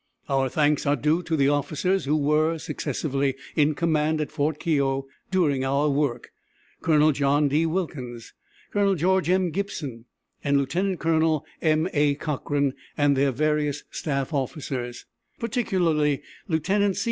Our thanks are due to the officers who were successively in command at Fort Keogh during our work, Col. John D. Wilkins, Col. George M. Gibson, and Lieut. Col. M. A. Cochran, and their various staff officers; particularly Lieut.